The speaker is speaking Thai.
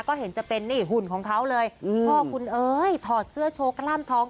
ก็เห็นจะเป็นนี่หุ่นของเขาเลยพ่อคุณเอ๋ยถอดเสื้อโชว์กล้ามท้อง